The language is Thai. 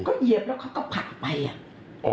ก็เหยียบแล้วเขาก็ผลักไปอ่ะ